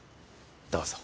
どうぞ。